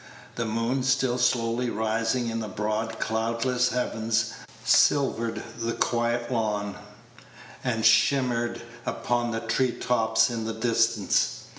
The moon, still slowly rising in the broad, cloudless heavens, silvered the quiet lawn, and shimmered upon the tree tops in the distance.